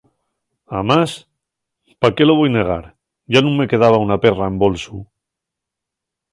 Amás, pa qué lo voi negar, yá nun me quedaba una perra en bolsu.